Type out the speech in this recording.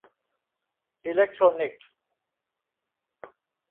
อิเลคโทรนิคส์